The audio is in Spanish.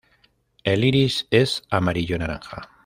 El iris es amarillo naranja.